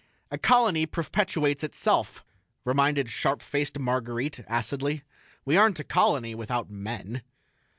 "A colony perpetuates itself," reminded sharp faced Marguerite, acidly. "We aren't a colony, without men."